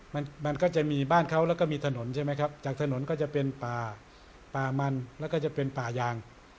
มันมันก็จะมีบ้านเขาแล้วก็มีถนนใช่ไหมครับจากถนนก็จะเป็นป่าป่ามันแล้วก็จะเป็นป่ายาง